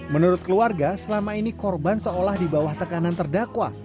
menurut keluarga selama ini korban seolah di bawah tekanan terdakwa